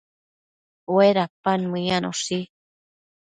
Uedapan meyanoshi